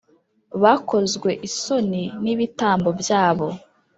bakozwe isoni n’ibitambo byabo.